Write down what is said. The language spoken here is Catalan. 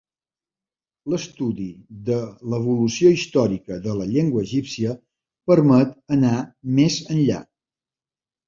L'estudi de l'evolució històrica de la llengua egípcia permet anar més enllà.